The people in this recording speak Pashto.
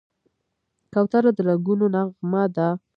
کوتره د رنګونو نغمه ده.